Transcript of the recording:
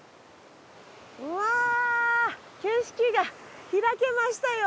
うわーっ景色が開けましたよ！